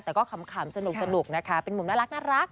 แต่ก็ขำสนุกนะคะเป็นมุมน่ารัก